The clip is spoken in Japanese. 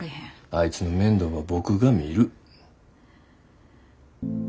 あいつの面倒は僕が見る。